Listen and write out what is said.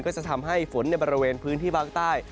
ก็จะทำให้ฝนในบริเวณพื้นที่ภาคใต้